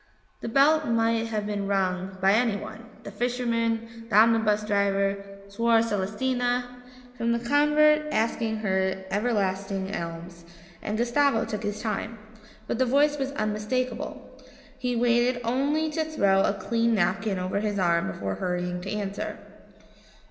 The bell might have been rung by any one the fisherman, the omnibus driver, Suor Celestina from the convent asking her everlasting alms and Gustavo took his time. But the voice was unmistakable; he waited only to throw a clean napkin over his arm before hurrying to answer.